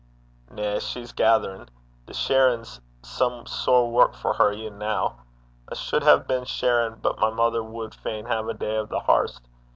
'Na. She's gatherin'. The shearin' 's some sair wark for her e'en noo. I suld hae been shearin', but my mither wad fain hae a day o' the hairst.